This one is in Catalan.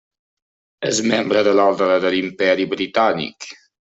És membre de l'Orde de l'Imperi Britànic.